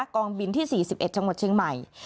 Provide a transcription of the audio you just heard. กองบินที่๔๑จังหวัดเชียงใหม่